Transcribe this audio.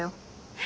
え！？